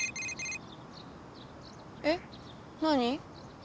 えっ何？